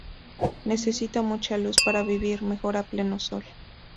Necesita mucha luz para vivir, mejor a pleno sol.